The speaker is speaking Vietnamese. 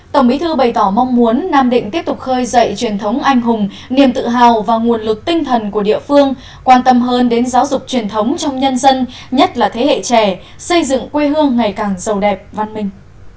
tổng bí thư bày tỏ mong muốn nam định tiếp tục khơi dậy truyền thống anh hùng niềm tự hào và nguồn lực tinh thần của địa phương quan tâm hơn đến giáo dục truyền thống trong nhân dân nhất là thế hệ trẻ xây dựng quê hương ngày càng giàu đẹp văn minh